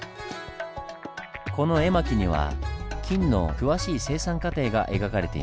この絵巻には金の詳しい生産過程が描かれています。